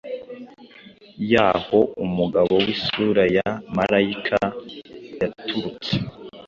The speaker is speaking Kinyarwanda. y’aho umugabo w’Isura ya Malayika yaturutse